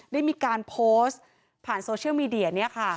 ได้มีการโพสต์ผ่านโซเชียลมีเดีย